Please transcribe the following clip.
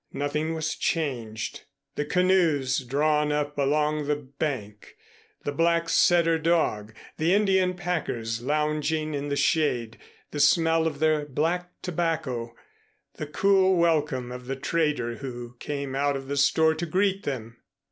Nothing was changed the canoes drawn up along the bank, the black setter dog, the Indian packers lounging in the shade, the smell of their black tobacco, and the cool welcome of the trader who came out of the store to greet them.